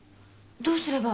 どうすれば？